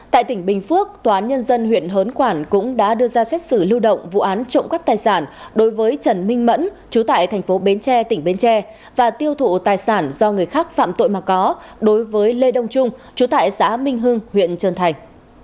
tại tỉnh bình phước tòa án nhân dân huyện hớn quản cũng đã đưa ra xét xử lưu động vụ án trộm cắp tài sản đối với trần minh mẫn chú tại thành phố bến tre tỉnh bến tre và tiêu thụ tài sản do người khác phạm tội mà có đối với lê đông trung chú tại xã minh hưng huyện trần thành